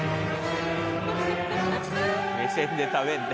目線で食べんだ。